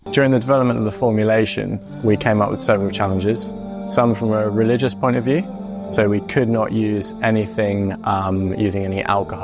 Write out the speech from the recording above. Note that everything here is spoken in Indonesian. dan mencari penyakit yang berpotensi natural